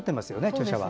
著者は。